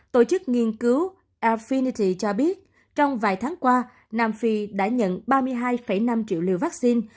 tổ chức nghiên cứu afinity cho biết trong vài tháng qua nam phi đã nhận ba mươi hai năm triệu liều vaccine